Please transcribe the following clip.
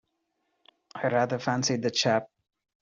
I rather fancied the chap.